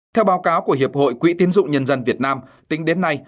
theo báo cáo của hiệp hội quỹ tiến dụng nhân dân việt nam tính đến nay